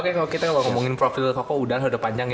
oke kalo kita ngomongin profil koko udah lah udah panjang ya